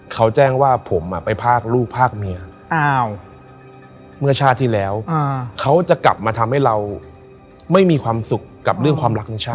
เขาแจ้งว่าผมไปพากลูกพากเมียเมื่อชาติที่แล้วเขาจะกลับมาทำให้เราไม่มีความสุขกับเรื่องความรักในชาติ